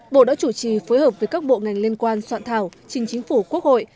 bộ đã chủ trì phối hợp với các bộ ngành liên quan soạn thảo trình chính phủ quốc hội